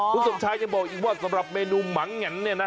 คุณสมชายยังบอกอีกว่าสำหรับเมนูหมังแง่นเนี่ยนะ